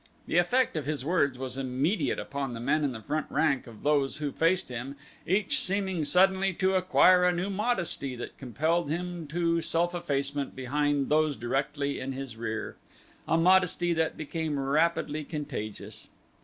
The effect of his words was immediate upon the men in the front rank of those who faced him, each seeming suddenly to acquire a new modesty that compelled him to self effacement behind those directly in his rear a modesty that became rapidly contagious.